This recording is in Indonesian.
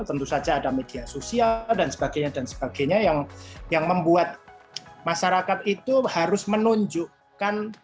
tentu saja ada media sosial dan sebagainya dan sebagainya yang membuat masyarakat itu harus menunjukkan